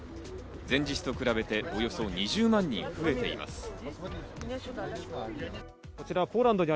前日と比べておよそ２０万人増えています。